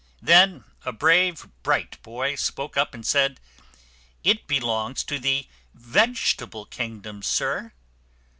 Then a brave, bright boy spoke up and said, "It belongs to the veg e ta ble kingdom, sir."